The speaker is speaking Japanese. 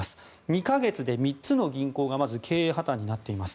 ２か月で３つの銀行がまず経営破たんになっています。